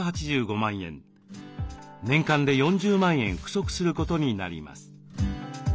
年間で４０万円不足することになります。